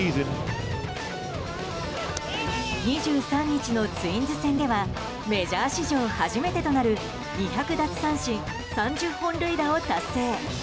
２３日のツインズ戦ではメジャー史上初めてとなる２００奪三振３０本塁打を達成。